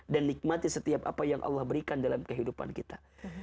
dan nikmati setiap apa yang allah berikan dalam kehidupan kita